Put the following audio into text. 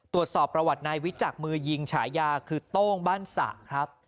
ตรวจสอบประวัติทรายฟังในวิจักรมือยิงฉายาต้องบั้นสระ